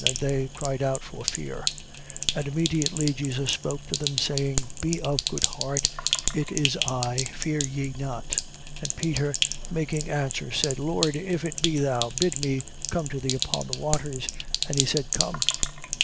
And they cried out for fear. 14:27. And immediately Jesus spoke to them, saying: Be of good heart: it is I, fear ye not. 14:28. And Peter making answer, said: Lord, if it be thou, bid me come to thee upon the waters. 14:29. And he said: Come.